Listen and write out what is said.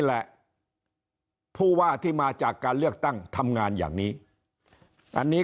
แหละผู้ว่าที่มาจากการเลือกตั้งทำงานอย่างนี้อันนี้